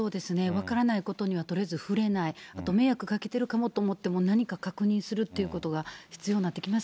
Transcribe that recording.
分からないことにはとりあえず触れない、迷惑かけてるかもと思っても、何か確認するということが必要にな